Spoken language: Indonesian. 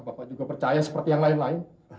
bapak juga percaya seperti yang lain lain